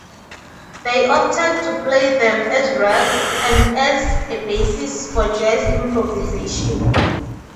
They opted to play them as rags and as a basis for jazz improvisation.